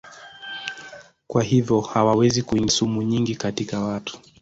Kwa hivyo hawawezi kuingiza sumu nyingi katika watu.